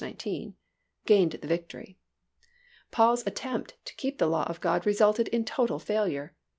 19) gained the victory. Paul's attempt to keep the law of God resulted in total failure.